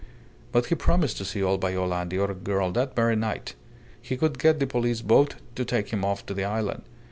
But he promised to see old Viola and the other girl that very night. He could get the police boat to take him off to the island.